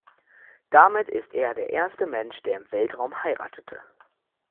Damit ist er der erste Mensch, der im Weltraum heiratete.